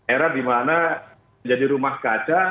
era di mana menjadi rumah kaca